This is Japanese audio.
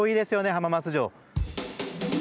浜松城。